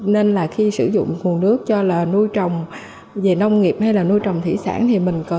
nên là khi sử dụng nguồn nước cho là nuôi trồng về nông nghiệp hay là nuôi trồng thủy sản